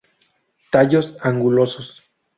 Tallos angulosos.